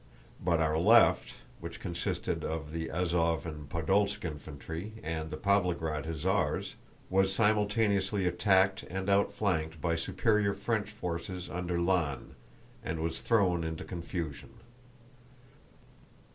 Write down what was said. But our left—which consisted of the Azóv and Podólsk infantry and the Pávlograd hussars—was simultaneously attacked and outflanked by superior French forces under Lannes and was thrown into confusion.